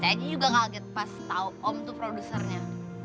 saya juga kaget pas tau om itu produsernya